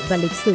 và lịch sử